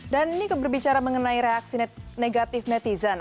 dan ini keberbicaraan mengenai reaksi negatif netizen